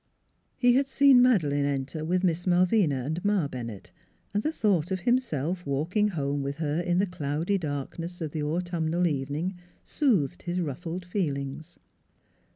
He had seen Madeleine enter with Miss Malvina and Ma Bennett, and the thought of himself walking home with her in the cloudy darkness of the autumnal evening soothed his ruffled feelings.